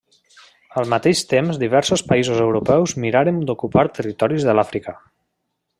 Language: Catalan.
Al mateix temps diversos països europeus mirarem d'ocupar territoris de l'Àfrica.